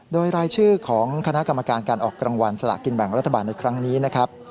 โดยรายชื่อของคณะกรรมการการออกรางวัลสละกินแบ่งรัฐบาลในครั้งนี้นะครับ